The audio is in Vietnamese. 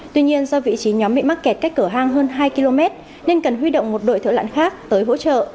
tuy nhiên do vị trí nhóm bị mắc kẹt cách cửa hang hơn hai km nên cần huy động một đội thợ lặn khác tới hỗ trợ